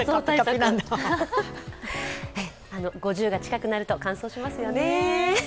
５０が近くなると、乾燥しますよね。